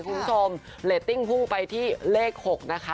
คุณผู้ชมเรตติ้งพุ่งไปที่เลข๖นะคะ